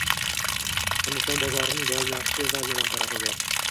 Hindiston bozorining doim yaxshi va yomon tarafi bor.